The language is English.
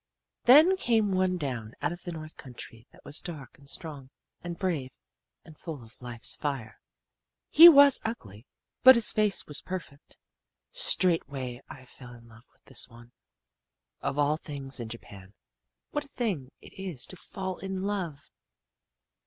"Then came one down out of the north country that was dark and strong and brave and full of life's fire. "He was ugly, but his face was perfect. "Straightway I fell in love with this one. Of all things in Japan, what a thing it is to fall in love!